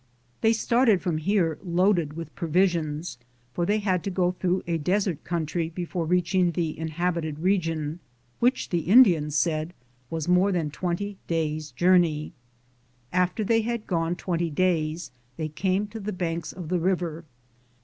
They started from here loaded with provisions, for they had to go through a desert country before reaching the inhab ited region, which the Indians said was more than twenty days' journey. After they had gone twenty days they came to the banks of the river.